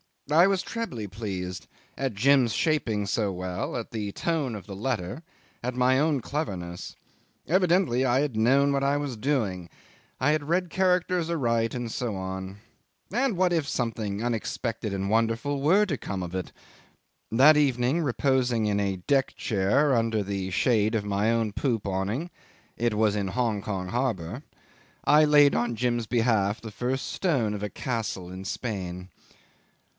I was trebly pleased at Jim's shaping so well, at the tone of the letter, at my own cleverness. Evidently I had known what I was doing. I had read characters aright, and so on. And what if something unexpected and wonderful were to come of it? That evening, reposing in a deck chair under the shade of my own poop awning (it was in Hong Kong harbour), I laid on Jim's behalf the first stone of a castle in Spain.